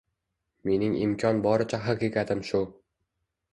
Mening imkon boricha haqiqatim shu.